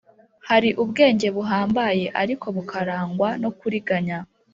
Hari ubwenge buhambaye ariko bukarangwa no kuriganya,